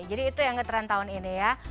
jadi itu yang nge trend tahun ini ya